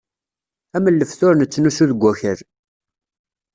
Am lleft ur nettnusu deg wakal.